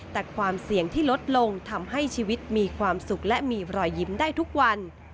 แต่ความเสี่ยงที่ลดลงทำให้ชีวิตมีความสุขและมีรอยยิ้มได้ทุกวัน